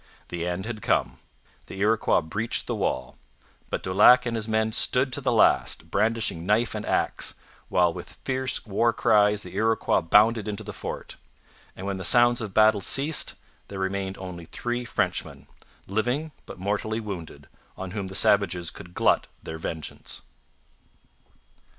The end had come. The Iroquois breached the wall. But Daulac and his men stood to the last, brandishing knife and axe, while with fierce war cries the Iroquois bounded into the fort; and when the sounds of battle ceased there remained only three Frenchmen, living but mortally wounded, on whom the savages could glut their vengeance.